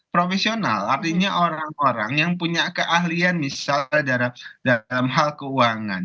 profesional artinya orang orang yang punya keahlian misalnya dalam hal keuangan